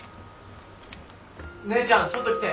・姉ちゃんちょっと来て。